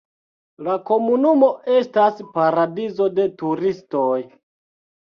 La komunumo estas paradizo de turistoj.